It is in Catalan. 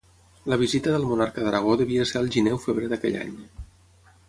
La visita del monarca d'Aragó devia ser al gener o febrer d'aquell any.